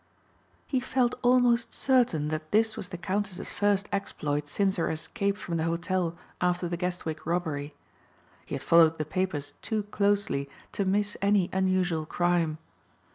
He felt almost certain that this was the Countess's first exploit since her escape from the hotel after the Guestwick robbery. He had followed the papers too closely to miss any unusual crime.